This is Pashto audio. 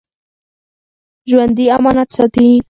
ژوندي امانت ساتي